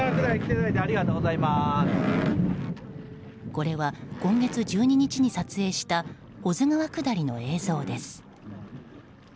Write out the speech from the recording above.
これは今月１２日に撮影した保津川下りの映像です。